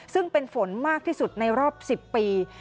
ซึ่งเป็นฝนมากที่สุดในรอบ๑๐ปี